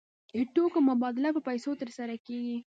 د توکو مبادله په پیسو ترسره کیږي.